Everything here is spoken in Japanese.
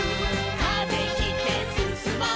「風切ってすすもう」